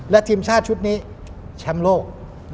และทีมชาติชุดนี้แชมป์โลก